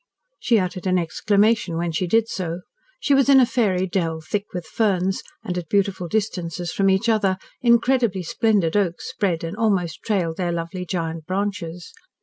She uttered an exclamation when she did so. She was in a fairy dell thick with ferns, and at beautiful distances from each other incredibly splendid oaks spread and almost trailed their lovely giant branches.